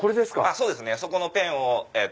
そうですねそこのペンを。